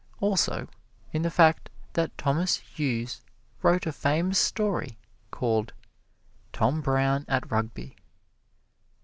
Also, in the fact that Thomas Hughes wrote a famous story called, "Tom Brown at Rugby."